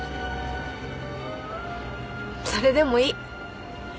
それでもいい。